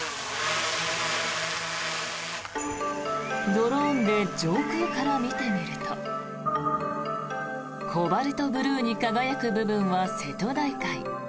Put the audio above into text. ドローンで上空から見てみるとコバルトブルーに輝く部分は瀬戸内海。